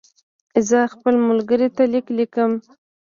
زه خپل ملګري ته لیک لیکم.